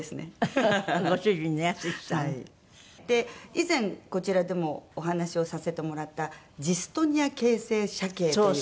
以前こちらでもお話をさせてもらったジストニア痙性斜頸という。